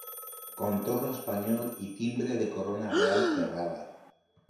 Contorno español y timbre de corona real cerrada.